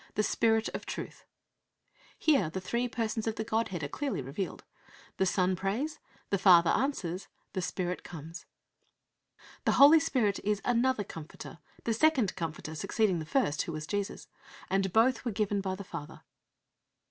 the Spirit of Truth" (John xiv. 16, 17). Here the three Persons of the Godhead are clearly revealed. The Son prays; the Father answers; the Spirit comes. The Holy Spirit is "another Comforter," a second Comforter succeeding the first, who was Jesus, and both were given by the Father.